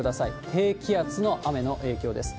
低気圧の雨の影響です。